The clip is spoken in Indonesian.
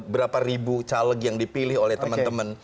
berapa ribu caleg yang diperlukan